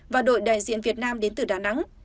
và đội đại diện việt nam đến từ đà nẵng